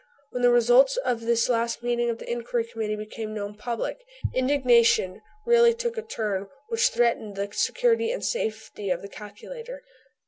When the results of this last meeting of the Inquiry Committee became known public indignation really took a turn which threatened the security and safety of the calculator.